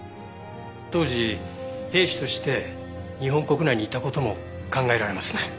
当時兵士として日本国内にいた事も考えられますね。